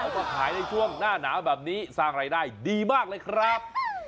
มาขายในช่วงหน้าหนาวแบบนี้สร้างรายได้ดีมากเลยครับ